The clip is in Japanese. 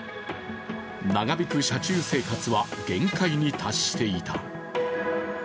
長引く車中生活は限界に達していた。